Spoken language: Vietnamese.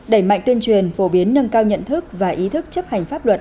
đẩy mạnh tuyên truyền phổ biến nâng cao nhận thức và ý thức chấp hành pháp luật